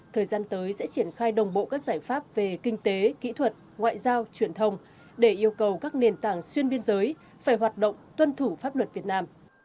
thời gian tới sẽ triển khai đồng bộ các giải pháp về kinh tế kỹ thuật ngoại giao truyền thông để yêu cầu các nền tảng xuyên biên giới phải hoạt động tuân thủ pháp luật việt nam